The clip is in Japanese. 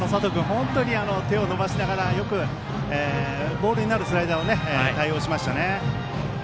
本当に手を伸ばしながらよく、ボールになるスライダーに対応しましたね。